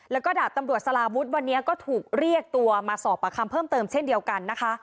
แล้วก็ดาบตำรวจสลาวุฒิวันนี้ก็ถูกเรียกตัวมาสอบประคำเพิ่มเติมเช่นเดียวกันนะคะ